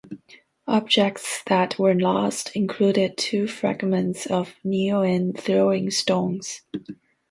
Objects that were lost included two fragments of Niuean throwing stones.